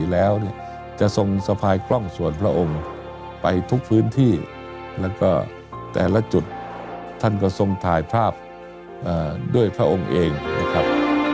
แล้วเนี่ยจะทรงสะพายกล้องส่วนพระองค์ไปทุกพื้นที่แล้วก็แต่ละจุดท่านก็ทรงถ่ายภาพด้วยพระองค์เองนะครับ